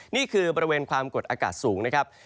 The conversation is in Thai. นี่คือบริเวณความกดอากาศสูง